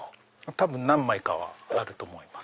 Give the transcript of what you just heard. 多分何枚かはあると思います。